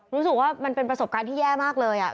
รู้สึกว่ามันเป็นประสบการณ์ที่แย่มากเลย